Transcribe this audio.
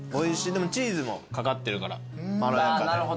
でもチーズも掛かってるからまろやかで。